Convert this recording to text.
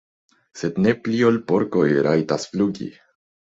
sed ne pli ol porkoj rajtas flugi.